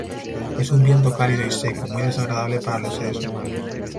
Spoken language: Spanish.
Es un viento cálido y seco, muy desagradable para los seres humanos.